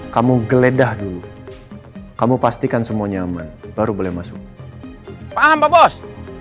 kamu geledah dulu kamu pastikan semua nyaman baru boleh masuk paham pak bos